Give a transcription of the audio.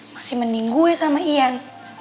masih mending gue sama ian